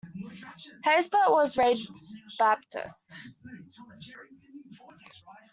Haysbert was raised Baptist.